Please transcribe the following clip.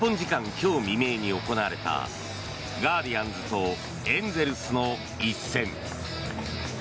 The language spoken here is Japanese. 今日未明に行われたガーディアンズとエンゼルスの一戦。